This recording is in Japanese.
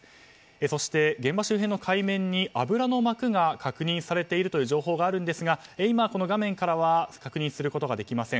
そして、現場周辺の海面に油の膜が確認されているという情報もあるんですが今、この画面からは確認することができません。